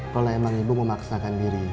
kalau emang ibu memaksakan diri